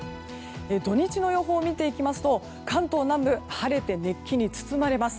土日の予報を見ると関東南部晴れて熱気に包まれます。